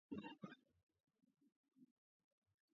აქედან იღებდნენ ქვებს სხავდასხვა დანიშნულებით.